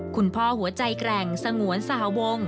คุณพ่อหัวใจแกร่งสงวนสหวง